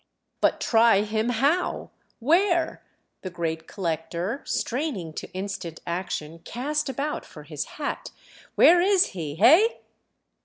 "But try him how, where?" The great collector, straining to instant action, cast about for his hat "Where is he, hey?"